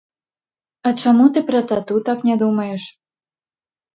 А чаму ты пра тату так не думаеш?